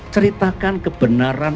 ceritakan kebenaran apa adanya